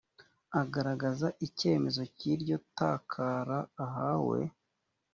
agaragaza icyemezo cy iryo takara ahawe